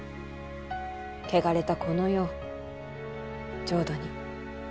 汚れたこの世を浄土に。